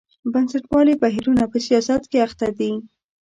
بنسټپالي بهیرونه په سیاست کې اخته دي.